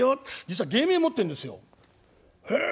「へえげ芸名持ってるんですか？